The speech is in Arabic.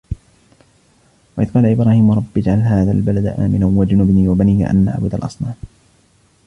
وَإِذْ قَالَ إِبْرَاهِيمُ رَبِّ اجْعَلْ هَذَا الْبَلَدَ آمِنًا وَاجْنُبْنِي وَبَنِيَّ أَنْ نَعْبُدَ الْأَصْنَامَ